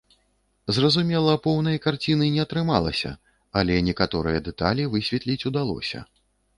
Зразумела, поўнай карціны не атрымалася, але некаторыя дэталі высветліць удалося.